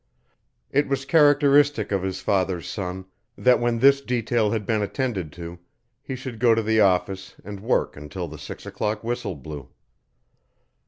It was characteristic of his father's son that when this detail had been attended to, he should go to the office and work until the six o'clock whistle blew.